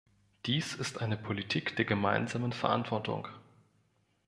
Dies ist eine Politik der gemeinsamen Verantwortung.